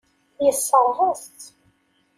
Yessṛeɣ-as-tt.